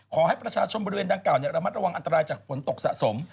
ขอให้ประชาชนบริเวณดังกล่าระมัดระวังอันตรายจากฝนตกสะสม